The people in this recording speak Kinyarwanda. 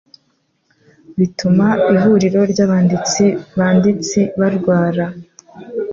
Bituma ihuriro ryabanditsi banditsi barwara